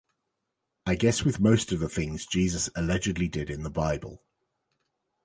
I guess with most of the things Jesus allegedly did in the Bible